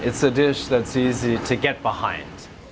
itu adalah hidangan yang mudah diperlukan